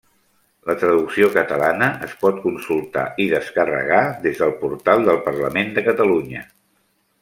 La traducció catalana es pot consultar i descarregar des del portal del Parlament de Catalunya.